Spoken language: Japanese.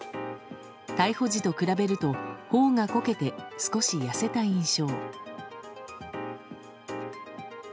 逮捕時と比べると頬がこけて少し痩せた印象。